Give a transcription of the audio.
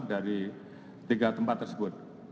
dari tiga tempat tersebut